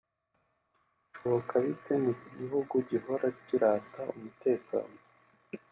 Bishoboka bite mu gihugu gihora kirata umutekano